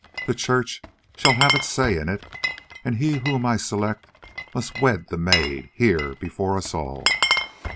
The Church shall have its say in it, and he whom I select must wed the maid, here, before us all.